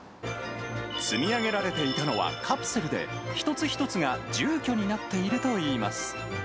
積み上げられていたのはカプセルで、一つ一つが住居になっているといいます。